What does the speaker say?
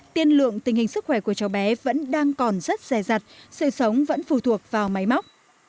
tiên lượng tình hình sức khỏe của cháu bé vẫn đang còn rất dài dặt sự sống vẫn phù thuộc vào máy móc